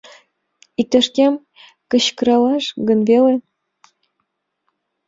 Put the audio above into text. Иктаж-кӧм кычкыралаш гын веле?